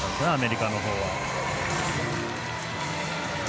アメリカのほうは。